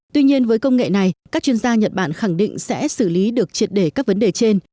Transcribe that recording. tuy nhiên với công nghệ này các chuyên gia nhật bản khẳng định sẽ xử lý được triệt để các vấn đề trên